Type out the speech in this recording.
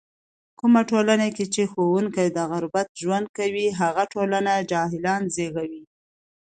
کومه ټولنه کې چې ښوونکی د غربت ژوند کوي، هغه ټولنه جاهلان زږوي.